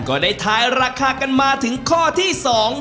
ก็ได้ทายราคากันมาถึงข้อที่สอง